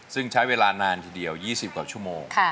ซึ่งใช้เวลานานทีเดียว๒๐กว่าชั่วโมง